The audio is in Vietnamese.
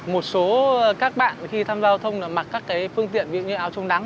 một số các bạn khi tham gia giao thông mặc các phương tiện bị như áo chống nắng